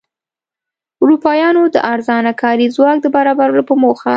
اروپایانو د ارزانه کاري ځواک د برابرولو په موخه.